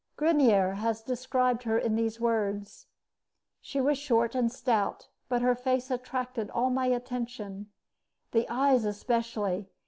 Grenier has described her in these words: She was short and stout, but her face attracted all my attention, the eyes especially.